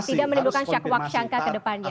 tidak menyebabkan syak syangka ke depannya